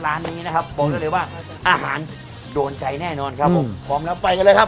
ร้านนี้อาหารโดนใจแน่นอนพร้อมแล้วไปกันหน่อยครับ